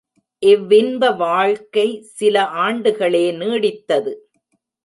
இவ் இன்ப வாழ்க்கை சில ஆண்டுகளே நீடித்தது.